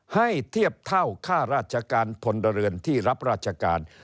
ให้เทียบเท่าค่าราชการพลเรือนที่รับราชการ